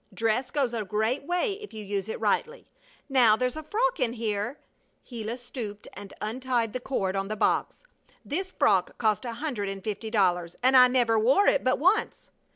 Dress goes a great way if you use it rightly. Now there's a frock in here " Gila stooped and untied the cord on the box. "This frock cost a hundred and fifty dollars, and I never wore it but once!"